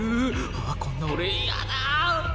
ああこんな俺嫌だあ！